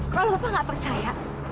kalau lupa nggak percaya